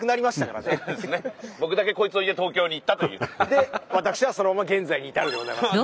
で私はそのまま現在に至るでございましてね。